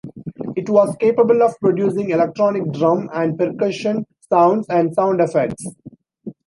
It was capable of producing electronic drum and percussion sounds and sound effects.